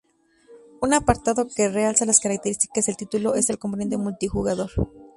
Un apartado que realza las características del título, es el componente multijugador.